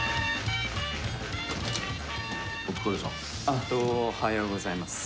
あっどはようございます。